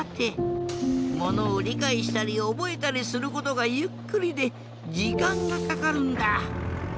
ものをりかいしたりおぼえたりすることがゆっくりでじかんがかかるんだ。